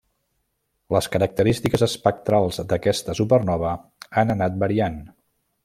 Les característiques espectrals d'aquesta supernova han anat variant.